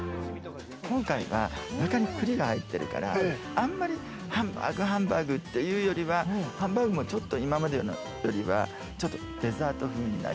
今回は、中に栗が入ってるから、あんまりハンバーグハンバーグっていうよりは、ハンバーグもちょっと今までのよりはデザート風に。